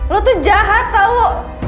lo tuh jahat tau